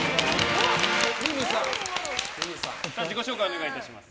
自己紹介をお願いいたします。